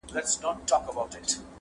زولنې یې شرنګولې د زندان استازی راغی!.